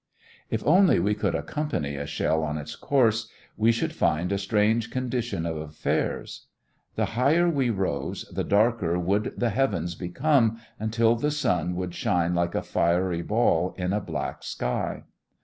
If only we could accompany a shell on its course, we should find a strange condition of affairs. The higher we rose, the darker would the heavens become, until the sun would shine like a fiery ball in a black sky.